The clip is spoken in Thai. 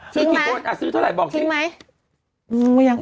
ซื้อกี่คนซื้อเท่าไหร่บอกจริง